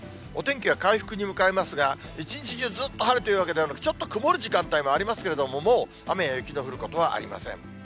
お天気は回復に向かいますが、１日中、ずっと晴れているわけではなくて、ちょっと曇る時間帯もありますけれども、もう雨や雪の降ることはありません。